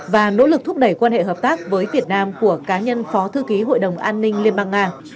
và nỗ lực thúc đẩy quan hệ hợp tác với việt nam của cá nhân phó thư ký hội đồng an ninh liên bang nga